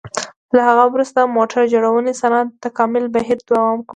له هغه وروسته موټر جوړونې صنعت تکاملي بهیر دوام وکړ.